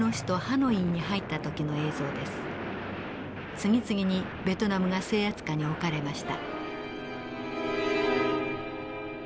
次々にベトナムが制圧下に置かれました。